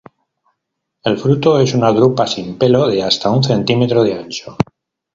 El fruto es una drupa sin pelo de hasta un centímetro de ancho.